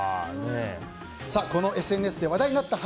このＳＮＳで話題になった「＃